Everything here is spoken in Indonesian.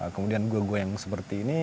kemudian go goyang seperti ini